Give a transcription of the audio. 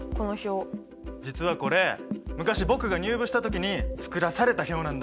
実はこれ昔僕が入部した時に作らされた表なんだ。